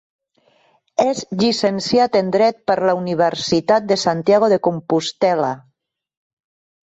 És llicenciat en Dret per la Universitat de Santiago de Compostel·la.